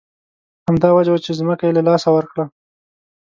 همدا وجه وه چې ځمکه یې له لاسه ورکړه.